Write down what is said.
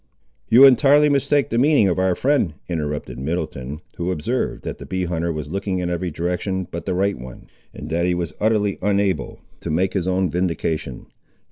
"You entirely mistake the meaning of our friend," interrupted Middleton, who observed, that the bee hunter was looking in every direction but the right one, and that he was utterly unable to make his own vindication.